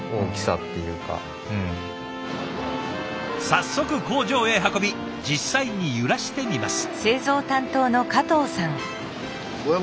早速工場へ運び実際に揺らしてみます。